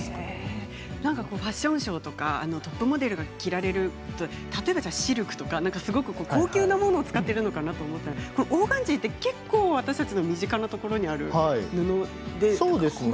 ファッションショーとかトップモデルが着るシルクとか高級なものを使っているのかなと思ったらオーガンジーって結構私たちに身近なところにある布ですよね。